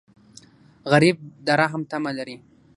غریب د رحم تمه لري